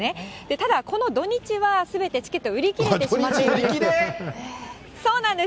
ただ、この土日はすべてチケット売り切れてしまっているんです。